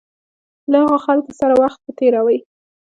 له هغه خلکو سره وخت مه تېروئ.